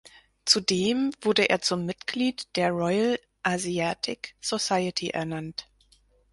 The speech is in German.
Zudem wurde er zum Mitglied der Royal Asiatic Society ernannt.